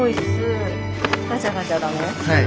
はい。